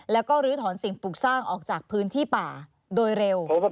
แล้วก็ลื้อถอนสิ่งปลูกสร้างออกจากพื้นที่ป่าโดยเร็ว